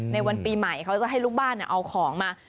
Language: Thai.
ในวันปีใหม่เขาจะให้ลูกบ้านเอาของมา